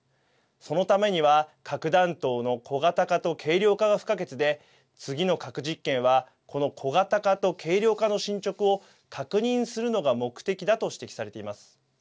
そのためには核弾頭の小型化と軽量化が不可欠で次の核実験は、この小型化と軽量化の進捗を確認するのが目的だと指摘されています。